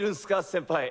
先輩。